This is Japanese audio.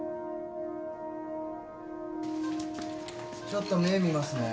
ちょっと目見ますね。